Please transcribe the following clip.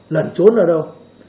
lần trốn ở đâu